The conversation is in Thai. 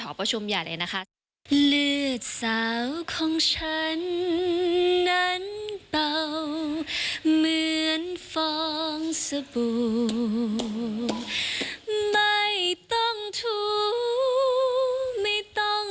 ประชุมใหญ่เลยนะคะ